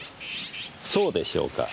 そうでしょうか？